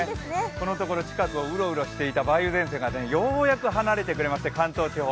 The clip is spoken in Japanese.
このところ、近くをうろうろしていた梅雨前線がようやく離れてくれまして関東地方